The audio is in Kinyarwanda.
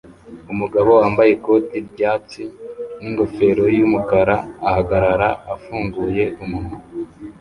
Umugabo wambaye ikoti ryatsi ningofero yumukara ahagarara afunguye umunwa